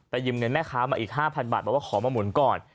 ยืมเงินแม่ค้ามาอีก๕๐๐บาทบอกว่าขอมาหมุนก่อน